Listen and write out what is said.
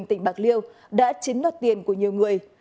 hứa thị thu vân hội viên tỉnh bạc liêu đã chiến đoạt tiền của nhiều người